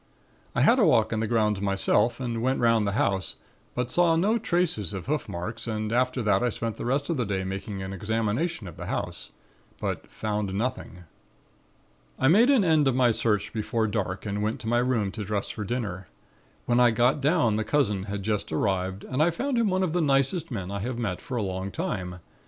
"I had a walk in the grounds myself and went 'round the house, but saw no traces of hoof marks and after that I spent the rest of the day making an examination of the house, but found nothing. "I made an end of my search before dark and went to my room to dress for dinner. When I got down the cousin had just arrived and I found him one of the nicest men I have met for a long time.